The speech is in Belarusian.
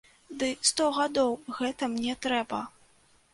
Ды сто гадоў гэта мне трэба!